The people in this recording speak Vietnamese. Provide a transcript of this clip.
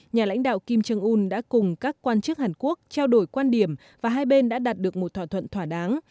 nhà lãnh đạo kim trương un đã cùng các quan chức hàn quốc trao đổi quan điểm và hai bên đã đạt được một thỏa thuận thỏa đáng